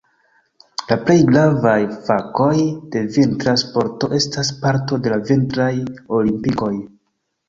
La plej gravaj fakoj de vintra sporto estas parto de la Vintraj Olimpikoj.